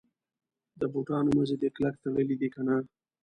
د بوټانو مزي دي کلک تړلي دي کنه.